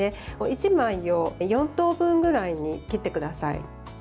１枚を４等分ぐらいに切ってください。